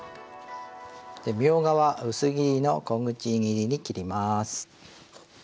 みょうがは薄切りの小口切りに切ります。